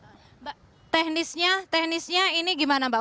mbak teknisnya teknisnya ini gimana mbak